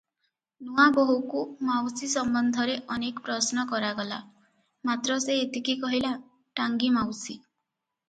ନୂଆବୋହୂକୁ ମାଉସୀ ସମ୍ବନ୍ଧରେ ଅନେକ ପ୍ରଶ୍ନ କରାଗଲା, ମାତ୍ର ସେ ଏତିକି କହିଲା - "ଟାଙ୍ଗୀ ମାଉସୀ ।"